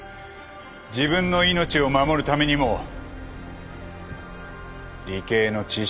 自分の命を守るためにも理系の知識は必要だ。